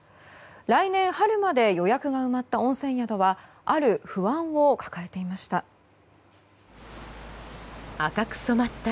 来年春まで予約が埋まった温泉宿はある不安を抱えていました。